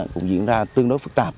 cũng diễn ra tương đối phức tạp